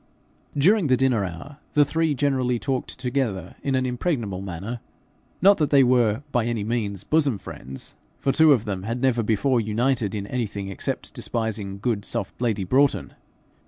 During the dinner hour, the three generally talked together in an impregnable manner not that they were by any means bosom friends, for two of them had never before united in anything except despising good, soft lady Broughton.